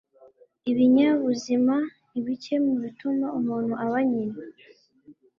ibinyabuzima ni bike mu bituma umuntu aba nyina